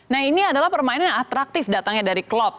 nah ini adalah permainan yang atraktif datangnya dari klopp